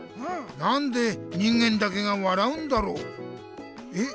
なんで人間だけが笑うんだろう？え？